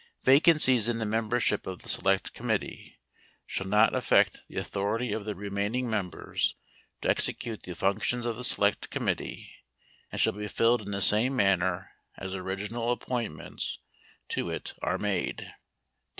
Vacancies in the membership of the select com 4 mittee shall not affect the authority of the remaining mem 5 bers to execute the functions of the select committee and 6 shall be filled in the same manner as original appointments 7 to it are made.